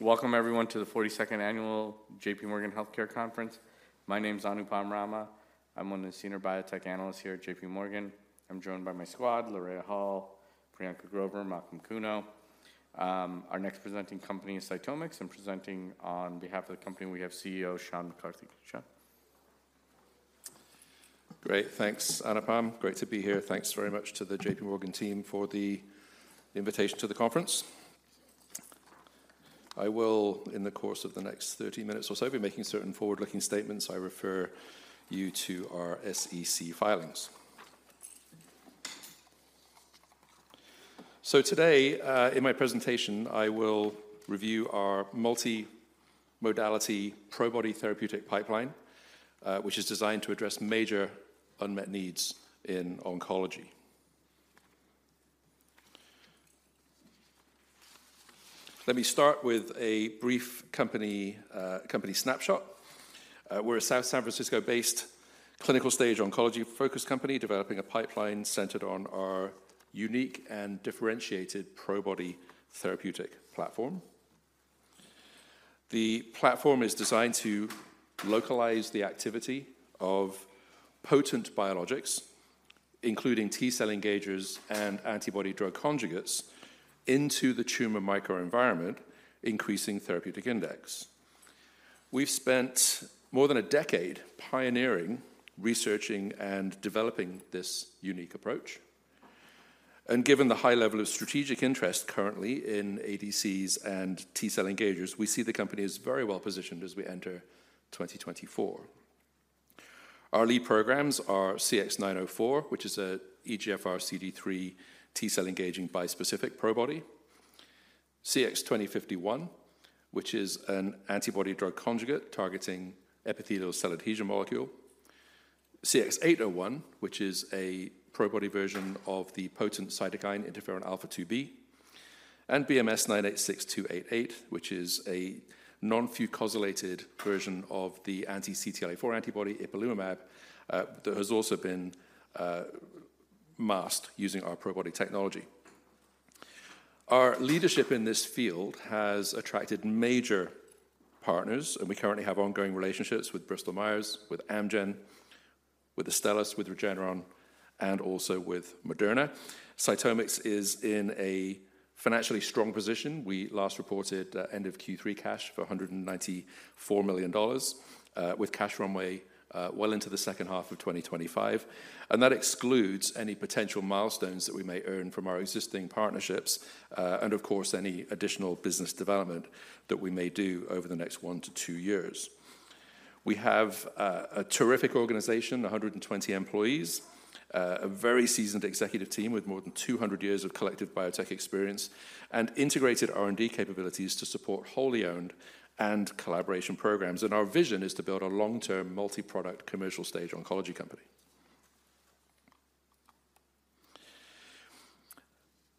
Welcome everyone to the 42nd Annual J.P. Morgan Healthcare Conference. My name is Anupam Rama. I'm one of the senior biotech analysts here at JPMorgan. I'm joined by my squad, Lauren Hall, Priyanka Grover, Malcolm Kuno. Our next presenting company is CytomX, and presenting on behalf of the company, we have CEO Sean McCarthy. Sean? Great, thanks, Anupam. Great to be here. Thanks very much to the JPMorgan team for the invitation to the conference. I will, in the course of the next 30 minutes or so, be making certain forward-looking statements. I refer you to our SEC filings. So today, in my presentation, I will review our multimodality Probody therapeutics pipeline, which is designed to address major unmet needs in oncology. Let me start with a brief company, company snapshot. We're a South San Francisco-based clinical-stage oncology-focused company, developing a pipeline centered on our unique and differentiated Probody therapeutics platform. The platform is designed to localize the activity of potent biologics, including T-cell engagers and antibody-drug conjugates, into the tumor microenvironment, increasing therapeutic index. We've spent more than a decade pioneering, researching, and developing this unique approach, and given the high level of strategic interest currently in ADCs and T-cell engagers, we see the company as very well-positioned as we enter 2024. Our lead programs are CX-904, which is a EGFR CD3 T-cell engaging bispecific Probody; CX-2051, which is an antibody-drug conjugate targeting epithelial cell adhesion molecule; CX-801, which is a Probody version of the potent cytokine interferon alpha-2b; and BMS-986288, which is a non-fucosylated version of the anti-CTLA-4 antibody ipilimumab, that has also been masked using our Probody technology. Our leadership in this field has attracted major partners, and we currently have ongoing relationships with Bristol Myers, with Amgen, with Astellas, with Regeneron, and also with Moderna. CytomX is in a financially strong position. We last reported end of Q3 cash for $194 million with cash runway well into the second half of 2025, and that excludes any potential milestones that we may earn from our existing partnerships, and of course, any additional business development that we may do over the next one to two years. We have a terrific organization, 120 employees, a very seasoned executive team with more than 200 years of collective biotech experience, and integrated R&D capabilities to support wholly owned and collaboration programs. Our vision is to build a long-term, multi-product, commercial-stage oncology company.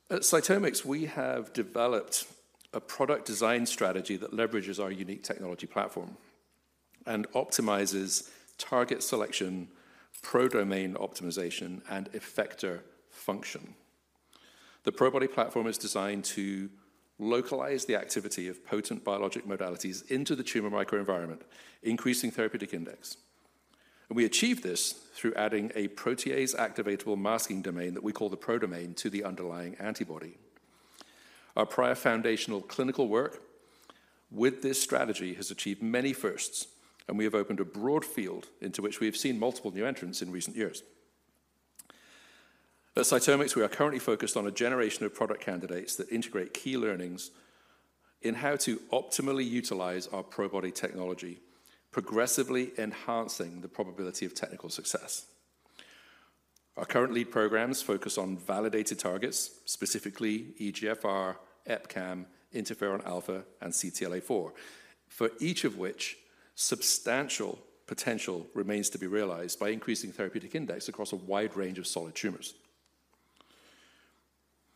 At CytomX, we have developed a product design strategy that leverages our unique technology platform and optimizes target selection, ProDomain optimization, and effector function. The Probody platform is designed to localize the activity of potent biologic modalities into the tumor microenvironment, increasing therapeutic index, and we achieve this through adding a protease-activatable masking domain that we call the ProDomain to the underlying antibody. Our prior foundational clinical work with this strategy has achieved many firsts, and we have opened a broad field into which we have seen multiple new entrants in recent years. At CytomX, we are currently focused on a generation of product candidates that integrate key learnings in how to optimally utilize our Probody technology, progressively enhancing the probability of technical success. Our current lead programs focus on validated targets, specifically EGFR, EpCAM, interferon alpha, and CTLA-4, for each of which substantial potential remains to be realized by increasing therapeutic index across a wide range of solid tumors.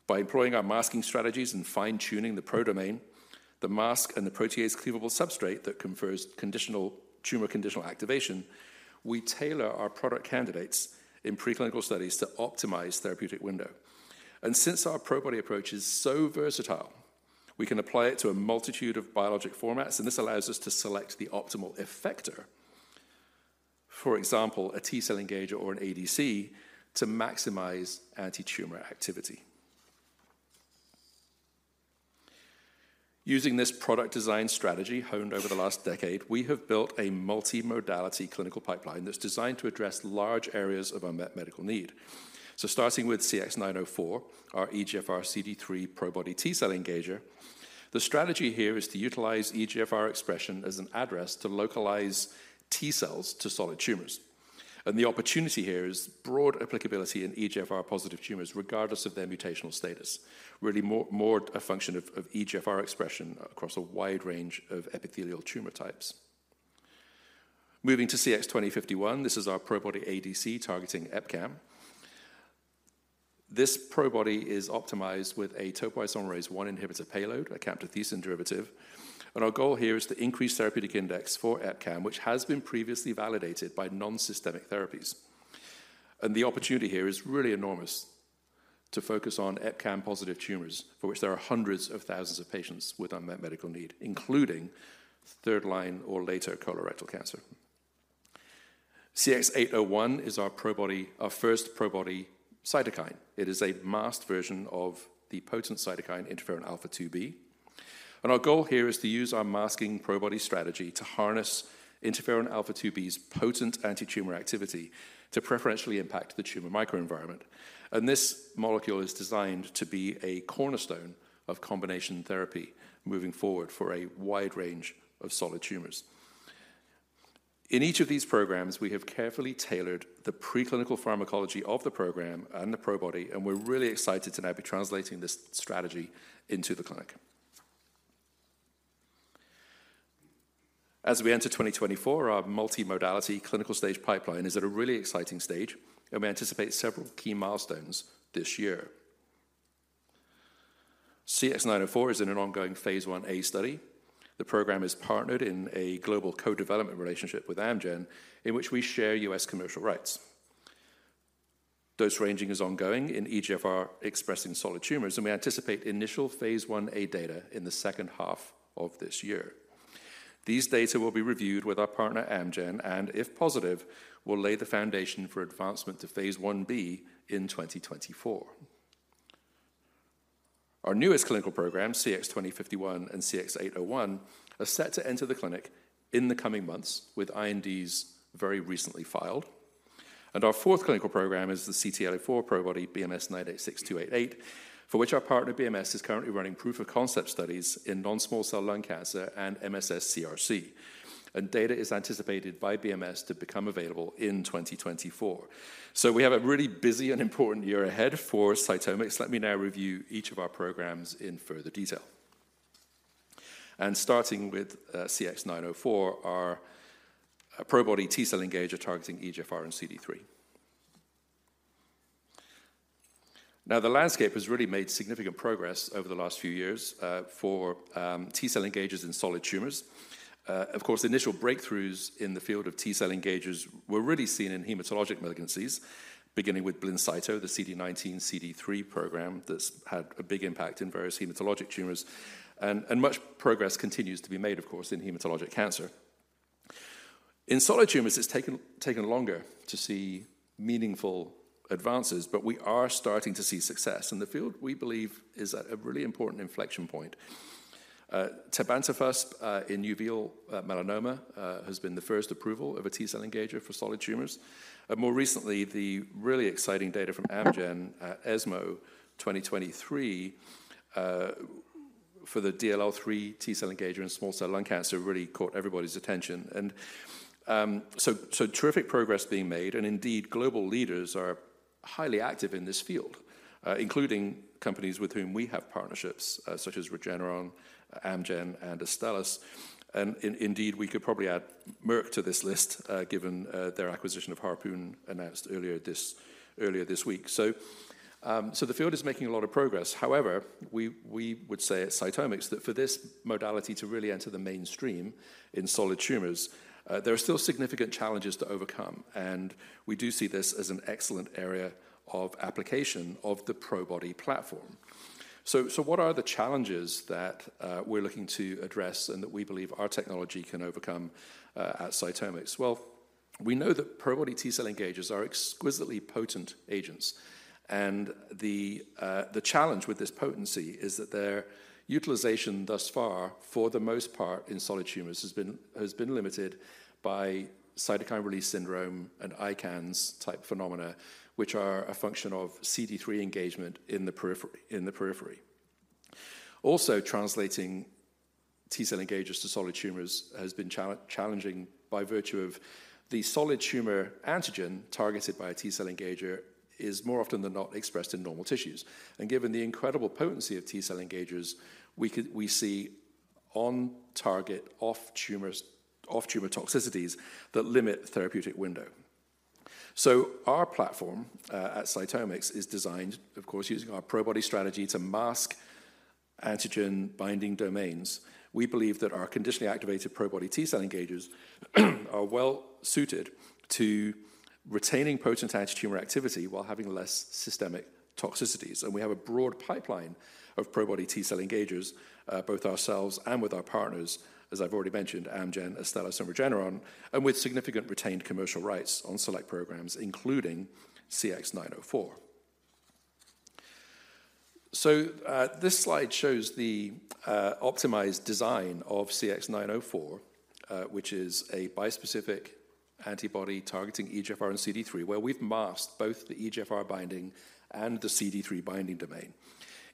By employing our masking strategies and fine-tuning the ProDomain, the mask and the protease cleavable substrate that confers tumor-conditional activation, we tailor our product candidates in preclinical studies to optimize therapeutic window. And since our Probody approach is so versatile, we can apply it to a multitude of biologic formats, and this allows us to select the optimal effector. For example, a T-cell engager or an ADC to maximize antitumor activity. Using this product design strategy honed over the last decade, we have built a multimodality clinical pipeline that's designed to address large areas of unmet medical need. So starting with CX-904, our EGFR CD3 Probody T-cell engager, the strategy here is to utilize EGFR expression as an address to localize T-cells to solid tumors. The opportunity here is broad applicability in EGFR-positive tumors, regardless of their mutational status, really more a function of EGFR expression across a wide range of epithelial tumor types. Moving to CX-2051, this is our Probody ADC targeting EpCAM. This Probody is optimized with a topoisomerase I inhibitor payload, a camptothecin derivative, and our goal here is to increase therapeutic index for EpCAM, which has been previously validated by non-systemic therapies... and the opportunity here is really enormous to focus on EpCAM-positive tumors, for which there are hundreds of thousands of patients with unmet medical need, including third-line or later colorectal cancer. CX-801 is our Probody, our first Probody cytokine. It is a masked version of the potent cytokine interferon alpha-2b. Our goal here is to use our masking Probody strategy to harness interferon alpha-2b's potent antitumor activity to preferentially impact the tumor microenvironment. This molecule is designed to be a cornerstone of combination therapy moving forward for a wide range of solid tumors. In each of these programs, we have carefully tailored the preclinical pharmacology of the program and the Probody, and we're really excited to now be translating this strategy into the clinic. As we enter 2024, our multimodality clinical stage pipeline is at a really exciting stage, and we anticipate several key milestones this year. CX-904 is in an ongoing Phase 1A study. The program is partnered in a global co-development relationship with Amgen, in which we share U.S. commercial rights. Dose ranging is ongoing in EGFR-expressing solid tumors, and we anticipate initial Phase 1A data in the second half of this year. These data will be reviewed with our partner, Amgen, and if positive, will lay the foundation for advancement to Phase 1B in 2024. Our newest clinical program, CX-2051 and CX-801, are set to enter the clinic in the coming months, with INDs very recently filed. And our fourth clinical program is the CTLA-4 Probody, BMS-986288, for which our partner, BMS, is currently running proof-of-concept studies in non-small cell lung cancer and MSS CRC, and data is anticipated by BMS to become available in 2024. So we have a really busy and important year ahead for CytomX. Let me now review each of our programs in further detail. Starting with CX-904, our Probody T-cell engager targeting EGFR and CD3. Now, the landscape has really made significant progress over the last few years for T-cell engagers in solid tumors. Of course, the initial breakthroughs in the field of T-cell engagers were really seen in hematologic malignancies, beginning with Blincyto, the CD19/CD3 program that's had a big impact in various hematologic tumors, and much progress continues to be made, of course, in hematologic cancer. In solid tumors, it's taken longer to see meaningful advances, but we are starting to see success, and the field, we believe, is at a really important inflection point. Tebentafusp in uveal melanoma has been the first approval of a T-cell engager for solid tumors. More recently, the really exciting data from Amgen at ESMO 2023 for the DLL3 T-cell engager in small cell lung cancer really caught everybody's attention. So terrific progress being made, and indeed, global leaders are highly active in this field, including companies with whom we have partnerships, such as Regeneron, Amgen, and Astellas. Indeed, we could probably add Merck to this list, given their acquisition of Harpoon announced earlier this week. So the field is making a lot of progress. However, we would say at CytomX that for this modality to really enter the mainstream in solid tumors, there are still significant challenges to overcome, and we do see this as an excellent area of application of the Probody platform. So, what are the challenges that we're looking to address and that we believe our technology can overcome at CytomX? Well, we know that Probody T-cell engagers are exquisitely potent agents, and the challenge with this potency is that their utilization thus far, for the most part, in solid tumors, has been limited by cytokine release syndrome and ICANS-type phenomena, which are a function of CD3 engagement in the periphery. Also, translating T-cell engagers to solid tumors has been challenging by virtue of the solid tumor antigen targeted by a T-cell engager is more often than not expressed in normal tissues. And given the incredible potency of T-cell engagers, we see on-target, off-tumor toxicities that limit therapeutic window. Our platform at CytomX is designed, of course, using our Probody strategy to mask antigen-binding domains. We believe that our conditionally activated Probody T-cell engagers are well-suited to retaining potent antitumor activity while having less systemic toxicities. We have a broad pipeline of Probody T-cell engagers, both ourselves and with our partners, as I've already mentioned, Amgen, Astellas, and Regeneron, and with significant retained commercial rights on select programs, including CX-904. This slide shows the optimized design of CX-904, which is a bispecific antibody targeting EGFR and CD3, where we've masked both the EGFR binding and the CD3 binding domain.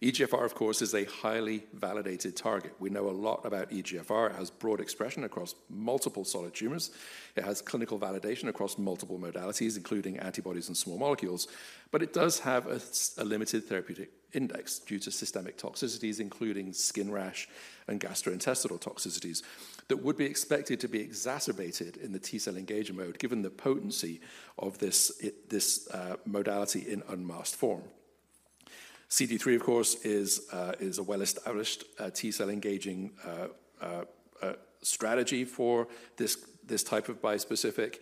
EGFR, of course, is a highly validated target. We know a lot about EGFR. It has broad expression across multiple solid tumors. It has clinical validation across multiple modalities, including antibodies and small molecules, but it does have a limited therapeutic index due to systemic toxicities, including skin rash and gastrointestinal toxicities, that would be expected to be exacerbated in the T-cell engager mode, given the potency of this modality in unmasked form. CD3, of course, is a well-established T-cell engaging strategy for this type of bispecific,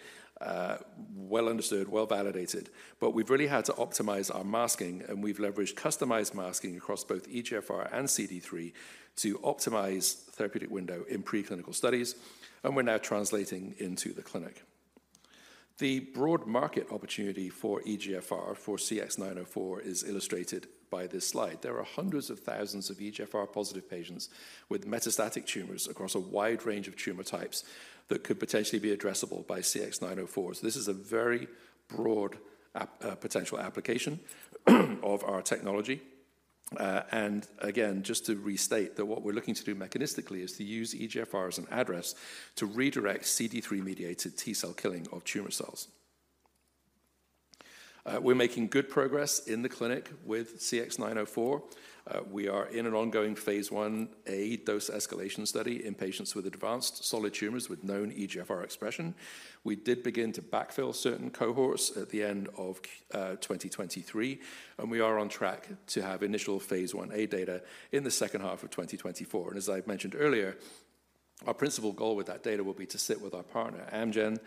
well understood, well-validated. But we've really had to optimize our masking, and we've leveraged customized masking across both EGFR and CD3 to optimize therapeutic window in preclinical studies, and we're now translating into the clinic. The broad market opportunity for EGFR for CX-904 is illustrated by this slide. There are hundreds of thousands of EGFR-positive patients with metastatic tumors across a wide range of tumor types that could potentially be addressable by CX-904. So this is a very broad app, potential application, of our technology. And again, just to restate that what we're looking to do mechanistically is to use EGFR as an address to redirect CD3-mediated T-cell killing of tumor cells. We're making good progress in the clinic with CX-904. We are in an ongoing Phase 1A dose escalation study in patients with advanced solid tumors with known EGFR expression. We did begin to backfill certain cohorts at the end of 2023, and we are on track to have initial Phase 1A data in the second half of 2024. As I've mentioned earlier, our principal goal with that data will be to sit with our partner, Amgen,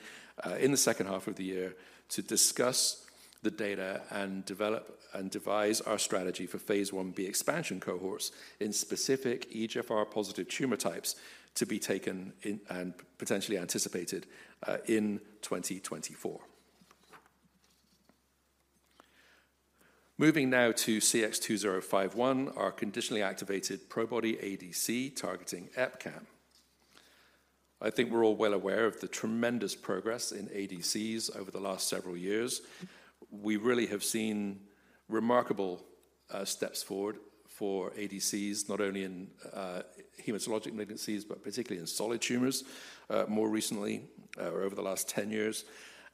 in the second half of the year to discuss the data and develop and devise our strategy for Phase 1B expansion cohorts in specific EGFR-positive tumor types to be taken in and potentially anticipated in 2024. Moving now to CX-2051, our conditionally activated Probody ADC targeting EpCAM. I think we're all well aware of the tremendous progress in ADCs over the last several years. We really have seen remarkable steps forward for ADCs, not only in hematologic malignancies, but particularly in solid tumors, more recently, over the last 10 years.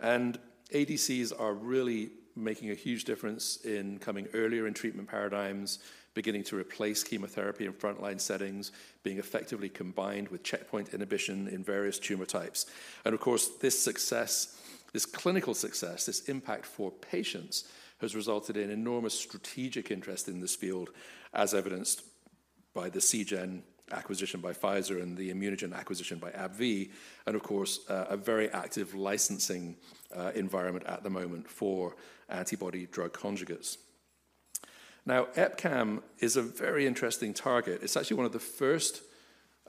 ADCs are really making a huge difference in coming earlier in treatment paradigms, beginning to replace chemotherapy in frontline settings, being effectively combined with checkpoint inhibition in various tumor types. And of course, this success, this clinical success, this impact for patients, has resulted in enormous strategic interest in this field, as evidenced by the Seagen acquisition by Pfizer and the ImmunoGen acquisition by AbbVie, and of course, a very active licensing environment at the moment for antibody-drug conjugates. Now, EpCAM is a very interesting target. It's actually one of the first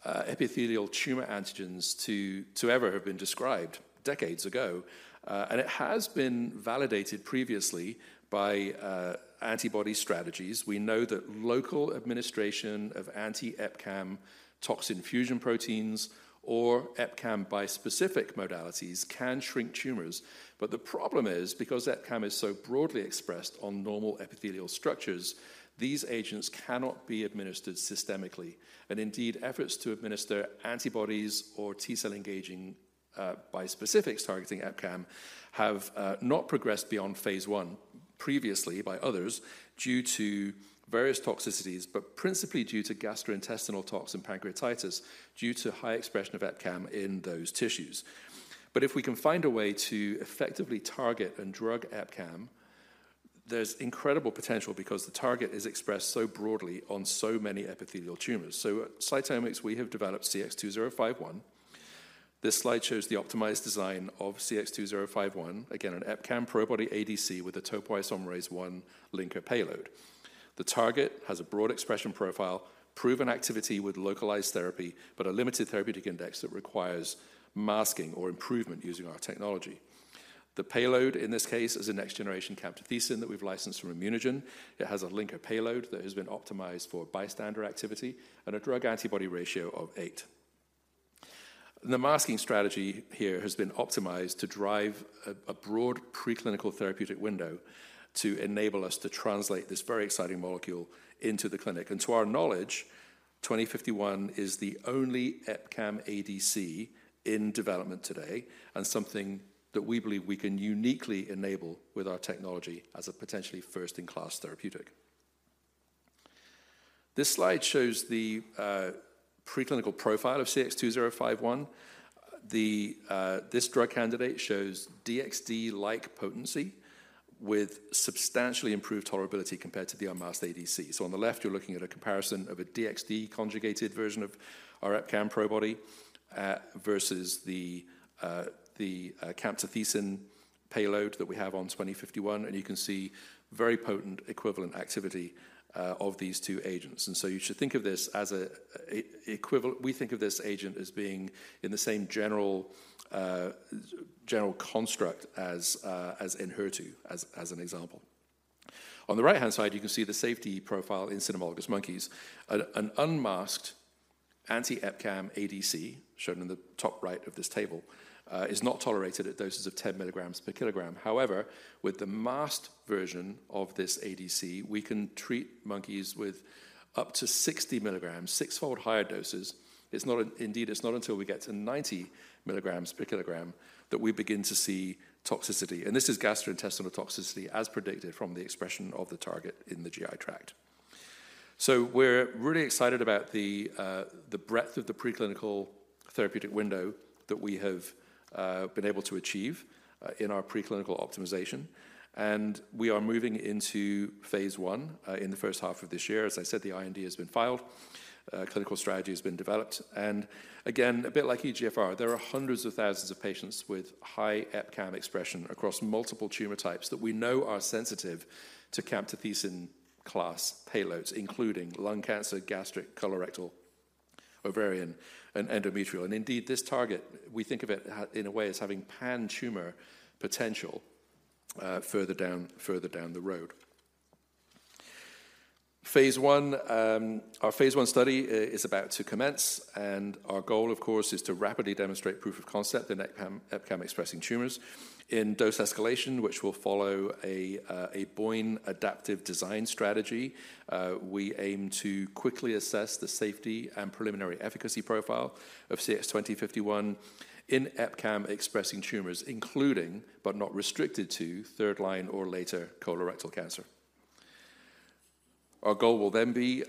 epithelial tumor antigens to ever have been described decades ago, and it has been validated previously by antibody strategies. We know that local administration of anti-EpCAM toxin fusion proteins or EpCAM bispecific modalities can shrink tumors. But the problem is, because EpCAM is so broadly expressed on normal epithelial structures, these agents cannot be administered systemically. And indeed, efforts to administer antibodies or T-cell engaging bispecifics targeting EpCAM have not progressed beyond Phase 1 previously by others due to various toxicities, but principally due to gastrointestinal tox and pancreatitis due to high expression of EpCAM in those tissues. But if we can find a way to effectively target and drug EpCAM, there's incredible potential because the target is expressed so broadly on so many epithelial tumors. So at CytomX, we have developed CX-2051. This slide shows the optimized design of CX-2051, again, an EpCAM Probody ADC with a topoisomerase I linker payload. The target has a broad expression profile, proven activity with localized therapy, but a limited therapeutic index that requires masking or improvement using our technology. The payload in this case is a next generation camptothecin that we've licensed from ImmunoGen. It has a linker payload that has been optimized for bystander activity and a drug-antibody ratio of 8. The masking strategy here has been optimized to drive a broad preclinical therapeutic window to enable us to translate this very exciting molecule into the clinic. And to our knowledge, 2051 is the only EpCAM ADC in development today, and something that we believe we can uniquely enable with our technology as a potentially first-in-class therapeutic. This slide shows the preclinical profile of CX-2051. This drug candidate shows DXd-like potency with substantially improved tolerability compared to the unmasked ADC. So on the left, you're looking at a comparison of a DXd conjugated version of our EpCAM Probody, versus the camptothecin payload that we have on 2051, and you can see very potent equivalent activity of these two agents. And so you should think of this as an equivalent, we think of this agent as being in the same general construct as in HER2, as an example. On the right-hand side, you can see the safety profile in cynomolgus monkeys. An unmasked anti-EpCAM ADC, shown in the top right of this table, is not tolerated at doses of 10 mg/kg. However, with the masked version of this ADC, we can treat monkeys with up to 60 mg/kg, sixfold higher doses. It's not indeed, it's not until we get to 90 milligrams per kilogram that we begin to see toxicity, and this is gastrointestinal toxicity, as predicted from the expression of the target in the GI tract. So we're really excited about the, the breadth of the preclinical therapeutic window that we have been able to achieve in our preclinical optimization, and we are moving into Phase 1 in the first half of this year. As I said, the IND has been filed, clinical strategy has been developed, and again, a bit like EGFR, there are hundreds of thousands of patients with high EpCAM expression across multiple tumor types that we know are sensitive to camptothecin class payloads, including lung cancer, gastric, colorectal, ovarian, and endometrial. And indeed, this target, we think of it in a way, as having pan-tumor potential, further down the road. Phase 1, our Phase 1 study is about to commence, and our goal, of course, is to rapidly demonstrate proof of concept in EpCAM, EpCAM-expressing tumors. In dose escalation, which will follow a Bayesian adaptive design strategy, we aim to quickly assess the safety and preliminary efficacy profile of CX-2051 in EpCAM-expressing tumors, including, but not restricted to, third-line or later colorectal cancer. Our goal will then be,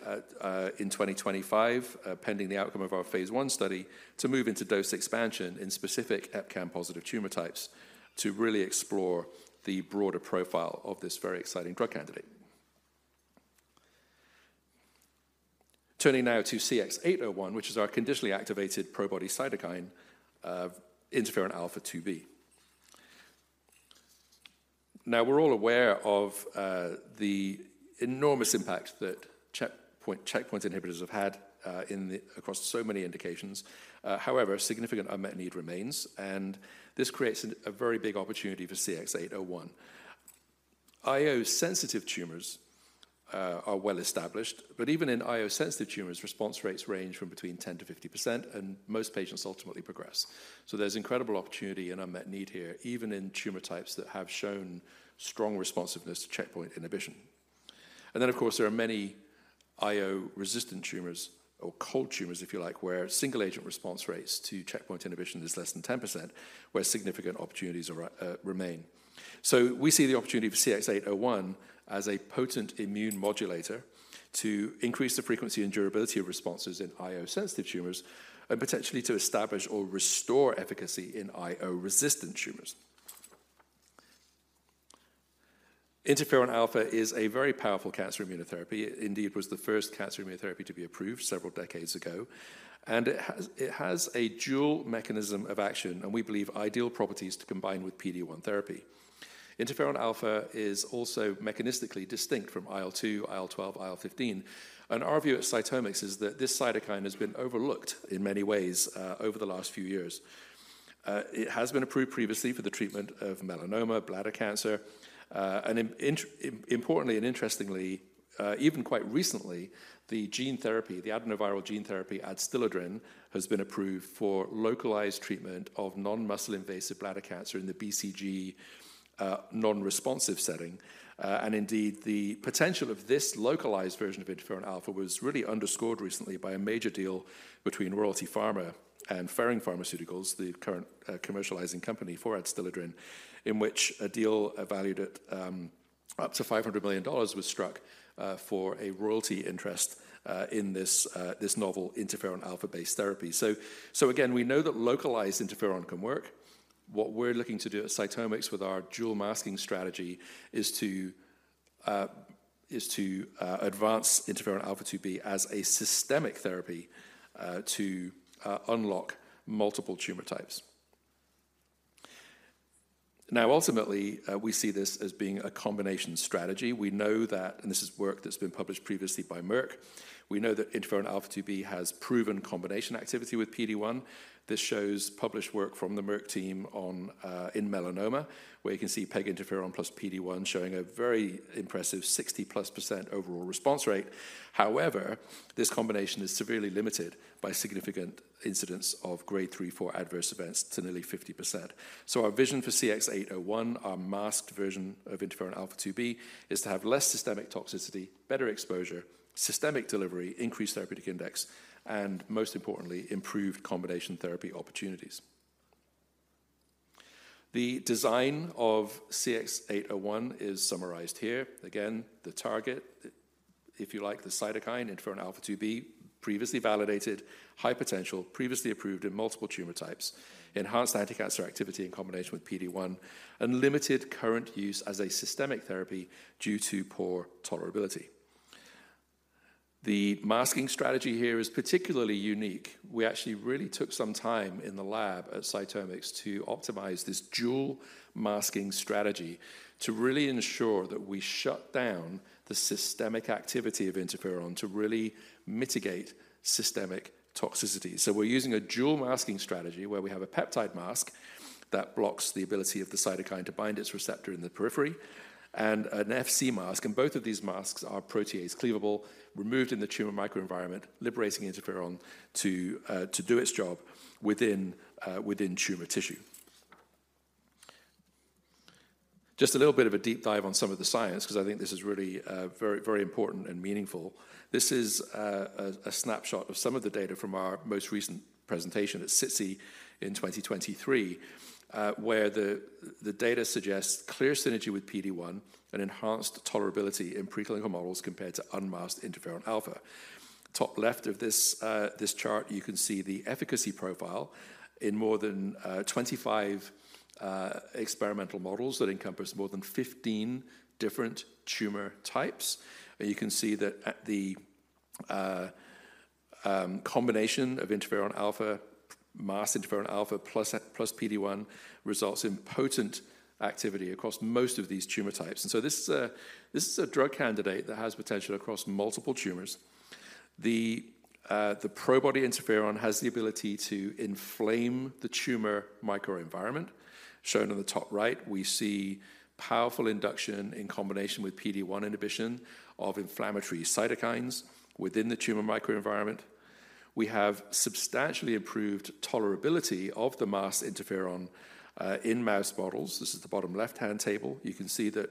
in 2025, pending the outcome of our Phase 1 study, to move into dose expansion in specific EpCAM-positive tumor types, to really explore the broader profile of this very exciting drug candidate. Turning now to CX-801, which is our conditionally activated Probody cytokine interferon alpha-2b. Now, we're all aware of the enormous impact that checkpoint inhibitors have had in the across so many indications. However, significant unmet need remains, and this creates a very big opportunity for CX-801. IO-sensitive tumors are well established, but even in IO-sensitive tumors, response rates range from between 10%-50%, and most patients ultimately progress. So, there's incredible opportunity and unmet need here, even in tumor types that have shown strong responsiveness to checkpoint inhibition. And then, of course, there are many IO-resistant tumors or cold tumors, if you like, where single-agent response rates to checkpoint, inhibition is less than 10%, where significant opportunities remain. So, we see the opportunity for CX-801 as a potent immune modulator to increase the frequency and durability of responses in IO-sensitive tumors, and potentially to establish or restore efficacy in IO-resistant tumors. Interferon alpha is a very powerful cancer immunotherapy. Indeed, it was the first cancer immunotherapy to be approved several decades ago, and it has a dual mechanism of action, and we believe ideal properties to combine with PD-1 therapy. Interferon alpha is also mechanistically distinct from IL-2, IL-12, IL-15, and our view at CytomX is that this cytokine has been overlooked in many ways over the last few years. It has been approved previously for the treatment of melanoma, bladder cancer, and importantly and interestingly, even quite recently, the gene therapy, the adenoviral gene therapy, Adstiladrin, has been approved for localized treatment of non-muscle invasive bladder cancer in the BCG non-responsive setting. Indeed, the potential of this localized version of interferon alpha was really underscored recently by a major deal between Royalty Pharma and Ferring Pharmaceuticals, the current commercializing company for Adstiladrin, in which a deal valued at up to $500 million was struck for a royalty interest in this novel interferon alpha-based therapy. So again, we know that localized interferon can work. What we're looking to do at CytomX with our dual masking strategy is to advance interferon alpha-2b as a systemic therapy to unlock multiple tumor types. Now, ultimately, we see this as being a combination strategy. We know that, and this is work that's been published previously by Merck. We know that interferon alpha-2b has proven combination activity with PD-1. This shows published work from the Merck team on in melanoma, where you can see PEG interferon plus PD-1 showing a very impressive 60+% overall response rate. However, this combination is severely limited by significant incidents of Grade 3-4 adverse events to nearly 50%. So, our vision for CX-801, our masked version of interferon alpha-2b, is to have less systemic toxicity, better exposure, systemic delivery, increased therapeutic index, and most importantly, improved combination therapy opportunities. The design of CX-801 is summarized here. Again, the target, if you like, the cytokine, interferon alpha-2b, previously validated, high potential, previously approved in multiple tumor types, enhanced anticancer activity in combination with PD-1, and limited current use as a systemic therapy due to poor tolerability. The masking strategy here is particularly unique. We actually really took some time in the lab at CytomX to optimize this dual masking strategy, to really ensure that we shut down the systemic activity of interferon, to really mitigate systemic toxicity. So, we're using a dual masking strategy, where we have a peptide mask that blocks the ability of the cytokine to bind its receptor in the periphery and an Fc mask, and both of these masks are protease cleavable, removed in the tumor microenvironment, liberating interferon to do its job within tumor tissue. Just a little bit of a deep dive on some of the science, because I think this is really very, very important and meaningful. This is a snapshot of some of the data from our most recent presentation at SITC in 2023, where the data suggests clear synergy with PD-1 and enhanced tolerability in preclinical models compared to unmasked interferon alpha. Top left of this chart, you can see the efficacy profile in more than 25 experimental models that encompass more than 15 different tumor types. And you can see that at the combination of interferon alpha, masked interferon alpha plus PD-1 results in potent activity across most of these tumor types. And so this is a drug candidate that has potential across multiple tumors. The Probody interferon has the ability to inflame the tumor microenvironment. Shown on the top right, we see powerful induction in combination with PD-1 inhibition of inflammatory cytokines within the tumor microenvironment. We have substantially improved tolerability of the masked interferon in mouse models. This is the bottom left-hand table. You can see that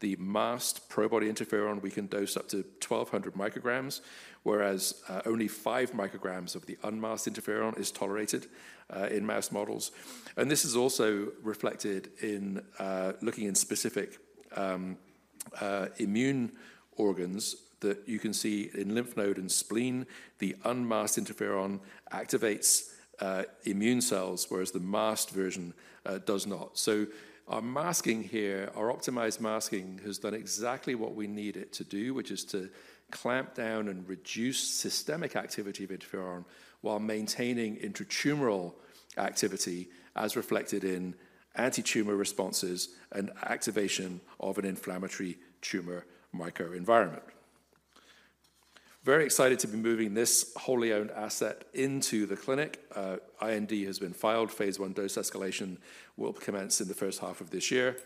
the masked Probody interferon, we can dose up to 1,200 micrograms, whereas only 5 micrograms of the unmasked interferon is tolerated in mouse models. This is also reflected in looking in specific immune organs that you can see in lymph node and spleen, the unmasked interferon activates immune cells, whereas the masked version does not. Our masking here, our optimized masking, has done exactly what we need it to do, which is to clamp down and reduce systemic activity of interferon while maintaining intratumoral activity, as reflected in anti-tumor responses and activation of an inflammatory tumor microenvironment. Very excited to be moving this wholly owned asset into the clinic. IND has been filed. Phase 1 dose escalation will commence in the first half of this year,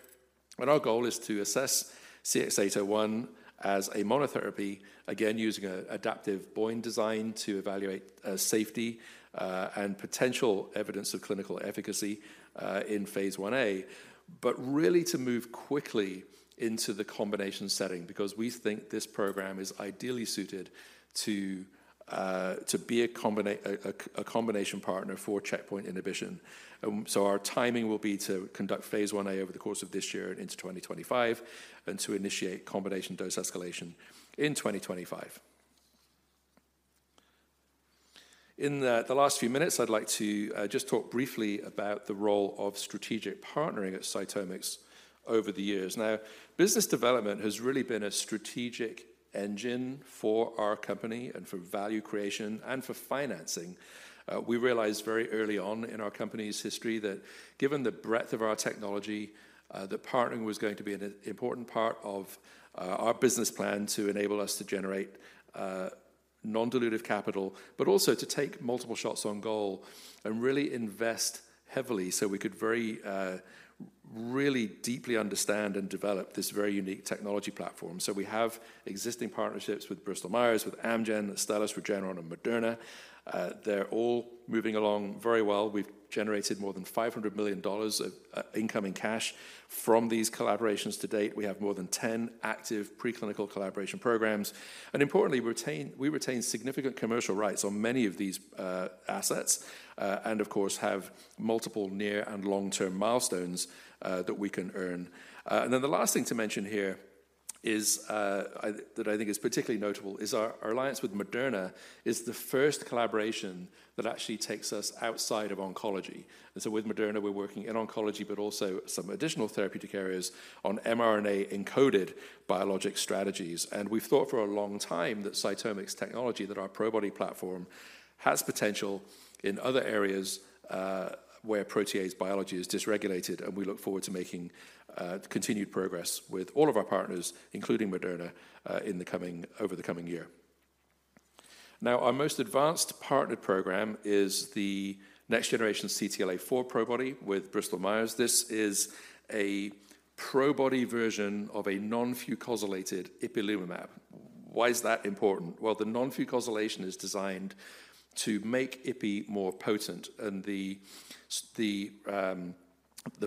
and our goal is to assess CX-801 as a monotherapy, again, using an adaptive Bayesian design to evaluate safety and potential evidence of clinical efficacy in Phase 1A. But really to move quickly into the combination setting, because we think this program is ideally suited to be a combination partner for checkpoint inhibition. So our timing will be to conduct Phase 1A over the course of this year and into 2025, and to initiate combination dose escalation in 2025. In the last few minutes, I'd like to just talk briefly about the role of strategic partnering at CytomX over the years. Now, business development has really been a strategic engine for our company and for value creation and for financing. We realized very early on in our company's history that given the breadth of our technology, that partnering was going to be an important part of our business plan to enable us to generate non-dilutive capital, but also to take multiple shots on goal and really invest heavily so we could very really deeply understand and develop this very unique technology platform. So we have existing partnerships with Bristol Myers, with Amgen, Astellas, Regeneron, and Moderna. They're all moving along very well. We've generated more than $500 million of incoming cash from these collaborations to date. We have more than 10 active preclinical collaboration programs, and importantly, we retain significant commercial rights on many of these, assets, and of course, have multiple near and long-term milestones, that we can earn. And then the last thing to mention here is that I think is particularly notable is our alliance with Moderna is the first collaboration that actually takes us outside of oncology. And so with Moderna, we're working in oncology, but also some additional therapeutic areas on mRNA-encoded biologic strategies. And we've thought for a long time that CytomX technology, that our Probody platform, has potential in other areas, where protease biology is dysregulated, and we look forward to making, continued progress with all of our partners, including Moderna, over the coming year. Now, our most advanced partnered program is the next generation CTLA-4 Probody with Bristol Myers. This is a Probody version of a non-fucosylated ipilimumab. Why is that important? Well, the non-fucosylation is designed to make Ipi more potent, and the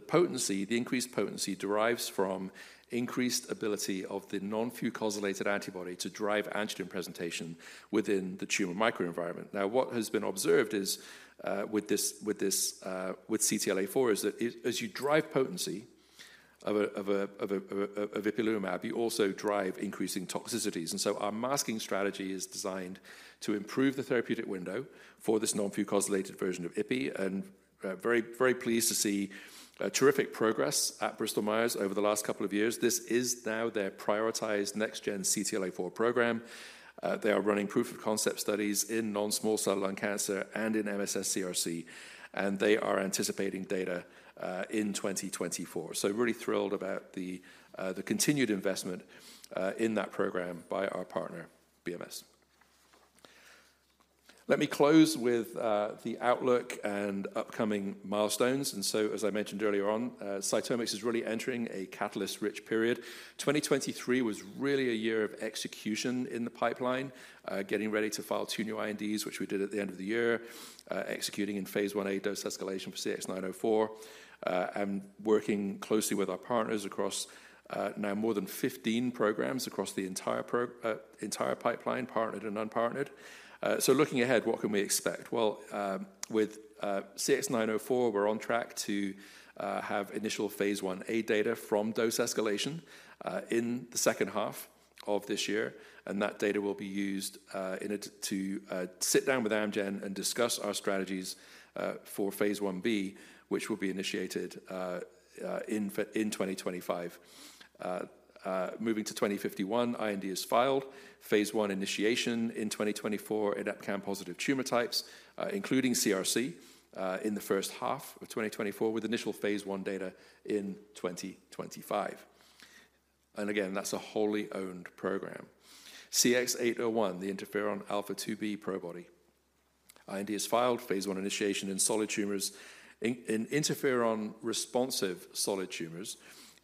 potency, the increased potency derives from increased ability of the non-fucosylated antibody to drive antigen presentation within the tumor microenvironment. Now, what has been observed is, with CTLA-4, is that as you drive potency of ipilimumab, you also drive increasing toxicities. And so our masking strategy is designed to improve the therapeutic window for this non-fucosylated version of Ipi, and very, very pleased to see terrific progress at Bristol Myers over the last couple of years. This is now their prioritized next gen CTLA-4 program. They are running proof of concept studies in non-small cell lung cancer and in MSS CRC, and they are anticipating data in 2024. So really thrilled about the continued investment in that program by our partner, BMS. Let me close with the outlook and upcoming milestones. As I mentioned earlier on, CytomX is really entering a catalyst-rich period. 2023 was really a year of execution in the pipeline, getting ready to file two new INDs, which we did at the end of the year, executing in Phase 1A dose escalation for CX-904, and working closely with our partners across now more than 15 programs across the entire pipeline, partnered and unpartnered. So looking ahead, what can we expect? Well, with CX-904, we're on track to have initial Phase 1A data from dose escalation in the second half of this year, and that data will be used in order to sit down with Amgen and discuss our strategies for Phase 1B, which will be initiated in 2025. Moving to CX-2051, IND is filed, Phase 1 initiation in 2024 in EpCAM-positive tumor types, including CRC, in the first half of 2024, with initial Phase 1 data in 2025. And again, that's a wholly owned program. CX-801, the interferon alpha-2b Probody. IND is filed, Phase 1 initiation in solid tumors, in interferon-responsive solid tumors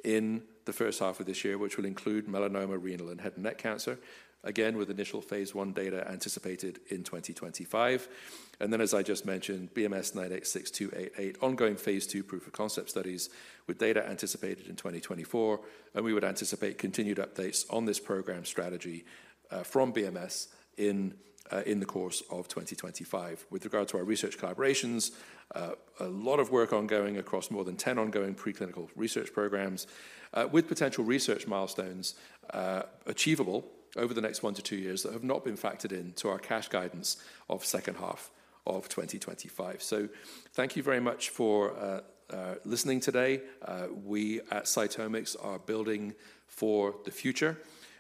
in the first half of this year, which will include melanoma, renal, and head and neck cancer. Again, with initial Phase 1 data anticipated in 2025. And then, as I just mentioned, BMS-986288, ongoing Phase 2 proof-of-concept studies with data anticipated in 2024, and we would anticipate continued updates on this program strategy from BMS in the course of 2025. With regard to our research collaborations, a lot of work ongoing across more than 10 ongoing preclinical research programs with potential research milestones achievable over the next one to two years that have not been factored into our cash guidance of second half of 2025. So thank you very much for listening today. We at CytomX are building for the future.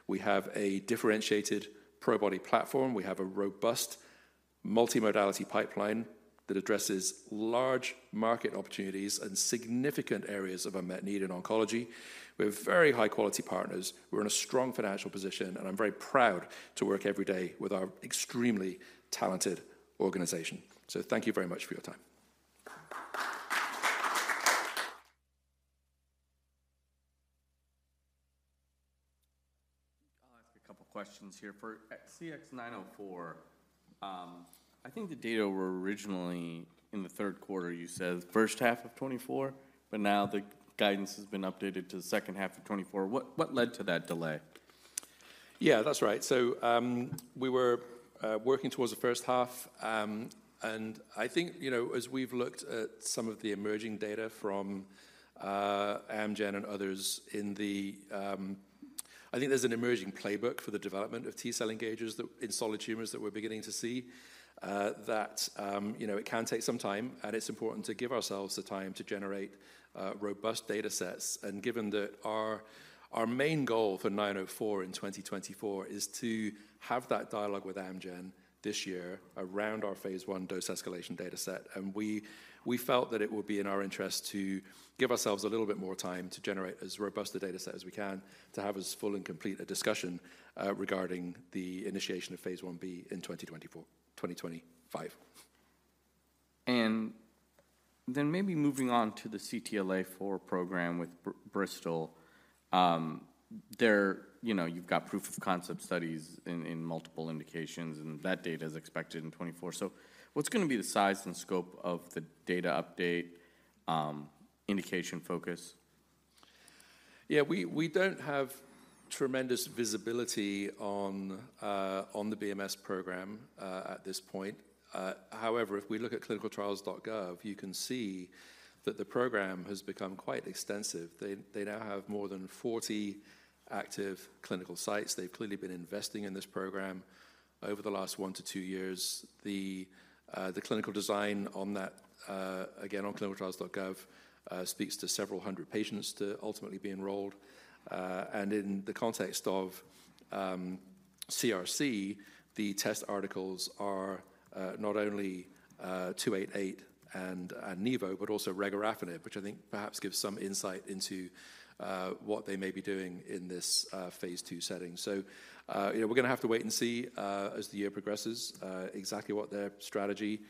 We have a differentiated Probody platform. We have a robust multimodality pipeline that addresses large market opportunities and significant areas of unmet need in oncology. We have very high-quality partners. We're in a strong financial position, and I'm very proud to work every day with our extremely talented organization. So thank you very much for your time. I'll ask a couple questions here. For CX-904, I think the data were originally in the third quarter. You said first half of 2024, but now the guidance has been updated to the second half of 2024. What led to that delay? Yeah, that's right. So, we were working towards the first half, and I think, you know, as we've looked at some of the emerging data from Amgen and others in the... I think there's an emerging playbook for the development of T-cell engagers that—in solid tumors that we're beginning to see, that, you know, it can take some time, and it's important to give ourselves the time to generate robust datasets. Given that our main goal for 904 in 2024 is to have that dialogue with Amgen this year around our Phase 1 dose escalation dataset, and we felt that it would be in our interest to give ourselves a little bit more time to generate as robust a dataset as we can to have as full and complete a discussion regarding the initiation of Phase 1B in 2024–2025. Then maybe moving on to the CTLA-4 program with Bristol, you know, you've got proof of concept studies in multiple indications, and that data is expected in 2024. So what's gonna be the size and scope of the data update, indication focus? Yeah, we, we don't have tremendous visibility on, on the BMS program, at this point. However, if we look at clinicaltrials.gov, you can see that the program has become quite extensive. They, they now have more than 40 active clinical sites. They've clearly been investing in this program over the last one to two years. The, the clinical design on that, again, on clinicaltrials.gov, speaks to several hundred patients to ultimately be enrolled. And in the context of, CRC, the test articles are, not only, 288 and, Nivo, but also regorafenib, which I think perhaps gives some insight into, what they may be doing in this, Phase 2 setting. So, you know, we're gonna have to wait and see, as the year progresses, exactly what their strategy,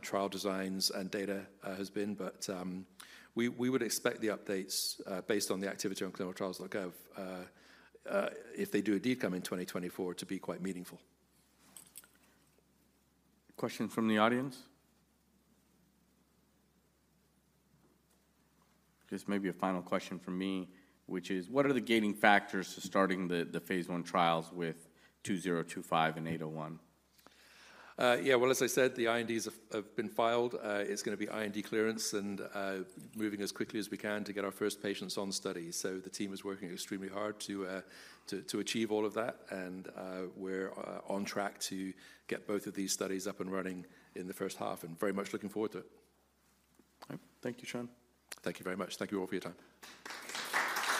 trial designs, and data, has been. But we would expect the updates, based on the activity on ClinicalTrials.gov, if they do indeed come in 2024, to be quite meaningful. Question from the audience? Just maybe a final question from me, which is: What are the gating factors to starting the Phase 1 trials with 2025 and 801? Yeah, well, as I said, the INDs have been filed. It's gonna be IND clearance and moving as quickly as we can to get our first patients on study. So, the team is working extremely hard to achieve all of that, and we're on track to get both of these studies up and running in the first half and very much looking forward to it. All right. Thank you, Sean. Thank you very much. Thank you all for your time.